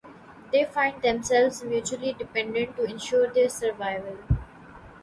They find themselves mutually dependent to ensure their survival.